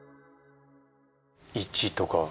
１とか。